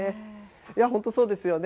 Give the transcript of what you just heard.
本当、そうですよね。